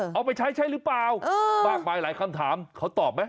เอาไปใช้ใช้หรือเปล่ามากมายหลายคำถามเขาตอบไหม